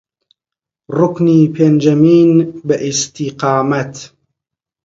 ڕوکنی پێنجەمین بە ئیستیقامەت